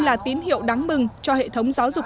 là tín hiệu đáng mừng cho hệ thống giáo dục